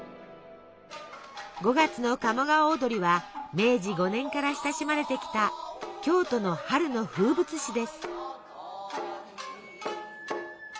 ５月の「鴨川をどり」は明治５年から親しまれてきた京都の春の風物詩です。